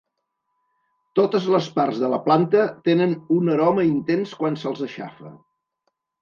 Totes les parts de la planta tenen un aroma intens quan se'ls aixafa.